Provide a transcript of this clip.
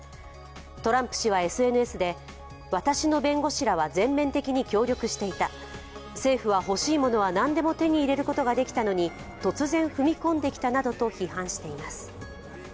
トランプ氏はＳＮＳで、私の弁護士らは全面的に協力していた、政府はほしいものは何でも手に入れることはできたのに突然踏み込んできたなどと批判しています。